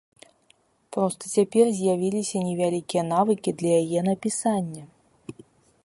Проста цяпер з'явіліся невялікія навыкі для яе напісання.